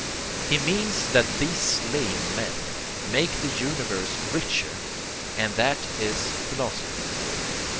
He means that these slain men make the universe richer, and that is Philosophy.